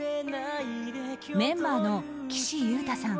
メンバーの岸優太さん